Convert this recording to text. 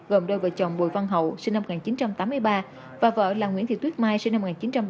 gồm đôi vợ chồng bùi văn hậu sinh năm một nghìn chín trăm tám mươi ba và vợ là nguyễn thị tuyết mai sinh năm một nghìn chín trăm bảy mươi